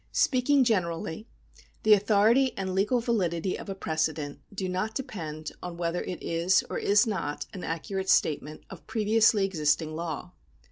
Speaking generally, the authority and legal validity of a precedent do not depend on whether it is, or is not, an accurate statement of previously existing law.